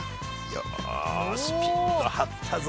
よしピンと張ったぞ。